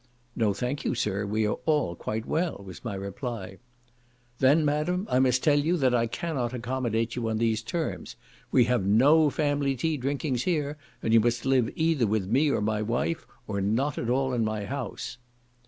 "No thank you, sir; we are all quite well," was my reply. "Then, madam, I must tell you, that I cannot accommodate you on these terms; we have no family tea drinkings here, and you must live either with me or my wife, or not at all in my house."